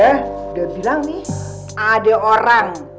udah bilang nih ada orang